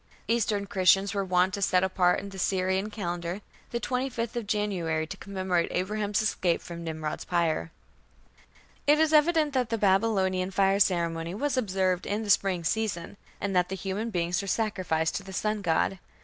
Eastern Christians were wont to set apart in the Syrian calendar the 25th of January to commemorate Abraham's escape from Nimrod's pyre. It is evident that the Babylonian fire ceremony was observed in the spring season, and that human beings were sacrificed to the sun god.